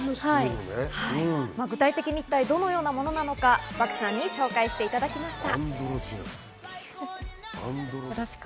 具体的にどのようなものなのか、漠さんに紹介していただきました。